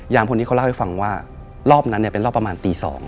ยามพวกนี้เขาเล่าให้ฟังว่ารอบนั้นเป็นรอบประมาณตี๒